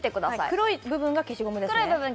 黒い部分が消しゴムです。